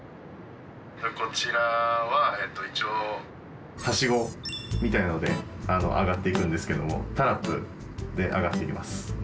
こちらは一応はしごみたいので上がっていくんですけどもタラップで上がっていきます。